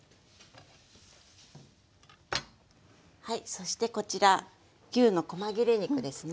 そしてこちら牛のこま切れ肉ですね。